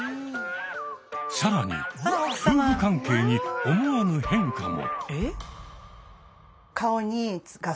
更に夫婦関係に思わぬ変化も！